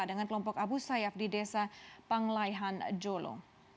dengan kelompok abu sayyaf di desa panglaihan jolo